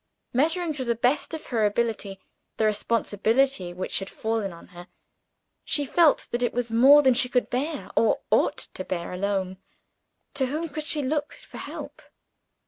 Measuring, to the best of her ability, the responsibility which had fallen on her, she felt that it was more than she could bear, or ought to bear, alone. To whom could she look for help?